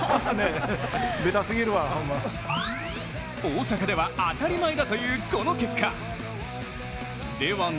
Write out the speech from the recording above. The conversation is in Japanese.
大阪では当たり前だというこの結果。